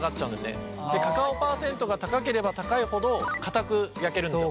カカオ％が高ければ高いほどかたく焼けるんですよ。